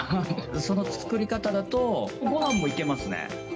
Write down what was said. その作り方だと、ごはんもいけますね。